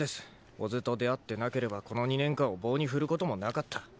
小津と出会ってなければこの２年間を棒に振ることもなかった。